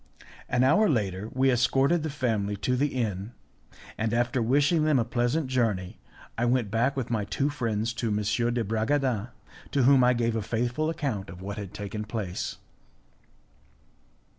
An hour later we escorted the family to the inn, and, after wishing them a pleasant journey, I went back with my two friends to M. de Bragadin, to whom I gave a faithful account of what had taken place.